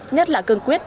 nhất là cương quyết